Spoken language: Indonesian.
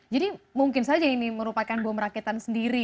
jadi mungkin saja ini merupakan bom rakitan sendiri